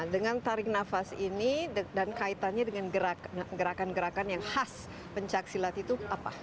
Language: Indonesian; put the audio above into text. dengan taring nafas ini dan kaitannya dengan gerakan gerakan yang khas pencaksilat itu apa